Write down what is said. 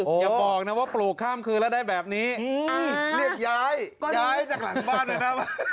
อย่าบอกนะว่าปลูกข้ามคืนแล้วได้แบบนี้เรียกย้ายย้ายจากหลังบ้านเลยครับ